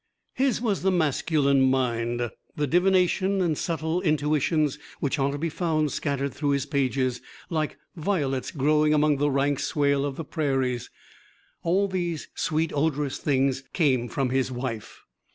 His was the masculine mind. The divination and subtle intuitions which are to be found scattered through his pages, like violets growing among the rank swale of the prairies all these sweet, odorous things came from his wife.